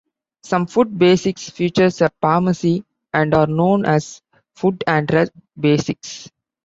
Some Food Basics feature a pharmacy, and are known as Food and Drug Basics.